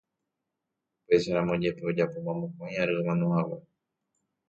upéicharamo jepe ojapóma mokõi ary omanohague